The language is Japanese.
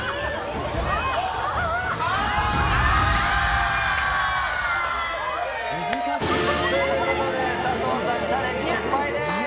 あー！ということで、佐藤さん、チャレンジ失敗です。